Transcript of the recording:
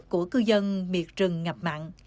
của cư dân miệt rừng ngập mặn